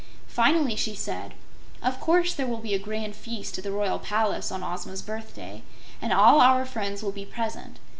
Finally she said: "Of course there will be a grand feast at the Royal Palace on Ozma's birthday, and all our friends will be present.